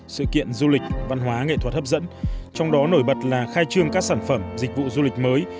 sự kiện du lịch văn hóa nghệ thuật hấp dẫn trong đó nổi bật là khai trương các sản phẩm dịch vụ du lịch mới